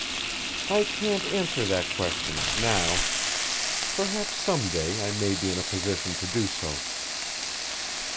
"I can't answer that question now. Perhaps some day I may be in a position to do so."